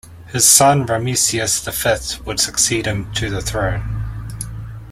His son, Ramesses the Fifth, would succeed him to the throne.